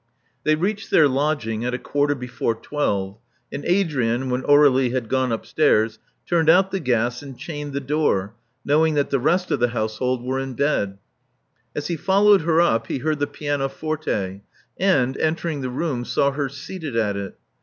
They reached their lodging at a quarter before twelve ; and Adrian, when Aur^lie had gone upstairs, turned out the gas and chained the door, knowing that the rest of the household were in bed. As he followed her up, he heard the pianoforte, and, entering the room, saw her seated at it.